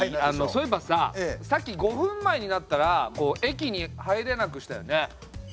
そういえばささっき５分前になったら駅に入れなくしたよね。